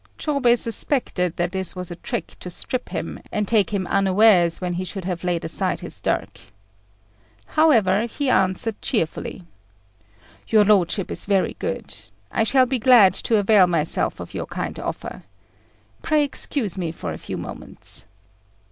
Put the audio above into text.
Chôbei suspected that this was a trick to strip him, and take him unawares when he should have laid aside his dirk. However, he answered cheerfully "Your lordship is very good. I shall be glad to avail myself of your kind offer. Pray excuse me for a few moments."